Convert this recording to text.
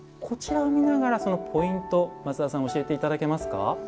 こちらを見ながらそのポイント松田さん教えていただけますか。